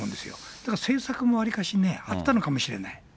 だから、政策もわりかしね、あったのかもしれません。